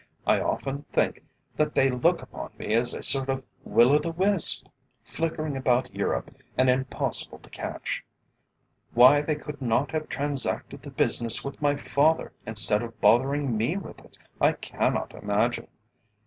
I often think that they look upon me as a sort of Will o' the Wisp, flickering about Europe, and impossible to catch. Why they could not have transacted the business with my father instead of bothering me with it, I cannot imagine.